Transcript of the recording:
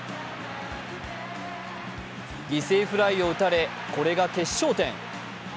犠牲フライを打たれこれが決勝点。